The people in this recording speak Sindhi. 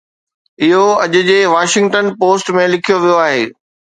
اهو اڄ جي واشنگٽن پوسٽ ۾ لکيو ويو آهي